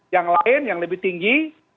yang lain yang lebih tinggi